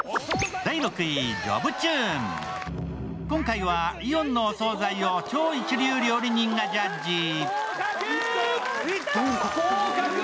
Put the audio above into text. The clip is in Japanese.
今回はイオンのお総菜を超一流料理人がジャッジ。